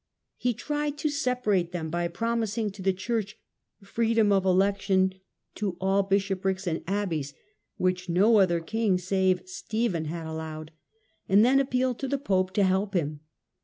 He tried to separate them by promising to the church freedom of election to all bishoprics and abbeys (which no other king save Stephen had allowed), and then appealed to the pope to help him.